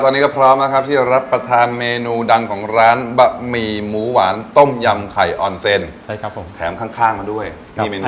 ตอนนี้ก็พร้อมแล้วครับที่จะรับประทานเมนูดังของร้านบะหมี่หมูหวานต้มยำไข่ออนเซ็นแถมข้างมาด้วยมีเมนูอะไรครับ